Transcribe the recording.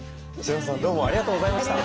篠原さんどうもありがとうございました。